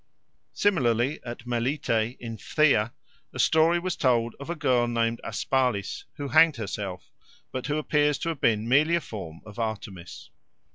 Similarly, at Melite in Phthia, a story was told of a girl named Aspalis who hanged herself, but who appears to have been merely a form of Artemis.